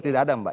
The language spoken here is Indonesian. tidak ada mbak